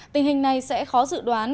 tình hình này sẽ khó dự đoán